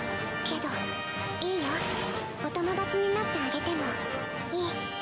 けどいいよお友達になってあげてもいい。